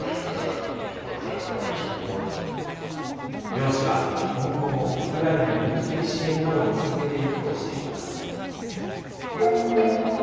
両氏は今後もウクライナに軍事的支援などを続けていくとしています。